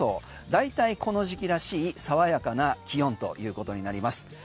大体この時期らしい爽やかな気温ということになります。